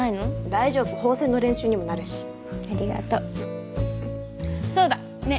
大丈夫縫製の練習にもなるしありがとそうだね